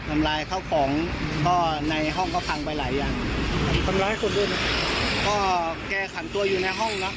ทำร้ายข้าวของก็ในห้องก็พังไปหลายอย่างทำร้ายคนอื่นก็แกขันตัวอยู่ในห้องเนอะ